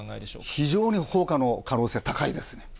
非常に放火の可能性が高いですね。